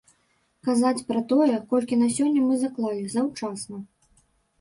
Казаць пра тое, колькі на сёння мы заклалі, заўчасна.